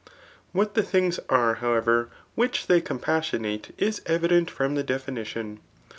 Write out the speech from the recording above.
What the things are, however, which they compas* sionate is evident from the definition.